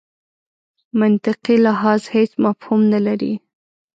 منطقي لحاظ هېڅ مفهوم نه لري.